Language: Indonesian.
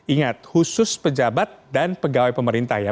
ingat khusus pejabat dan pegawai pemerintah ya